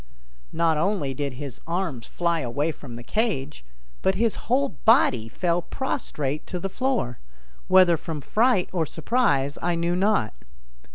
Not only did his arms fly away from the cage, but his whole body fell prostrate to the floor, whether from fright or surprise, I knew not.